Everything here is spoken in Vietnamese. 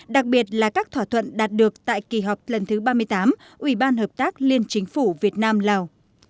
đặc biệt là các thỏa thuận đạt được tại kỳ họp lần thứ ba mươi tám ubh liên chính phủ việt nam lào